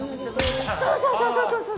そうそうそうそう！